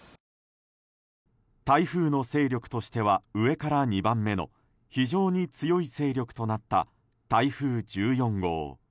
台風の勢力としては上から２番目の非常に強い勢力となった台風１４号。